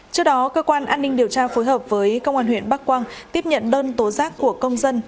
trước đó cơ quan an ninh điều tra phối hợp với công an huyện bắc quang tiếp nhận đơn tố giác của công dân